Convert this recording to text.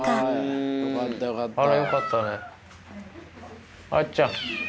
あーちゃん。